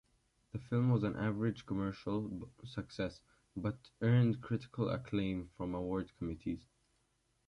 The film was an average commercial success, but earned critical acclaim from award committees.